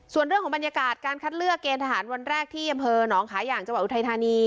ส่วนเรื่องของบรรยากาศการคัดเลือกเกณฑ์ทหารวันแรกที่อำเภอหนองขายอย่างจังหวัดอุทัยธานี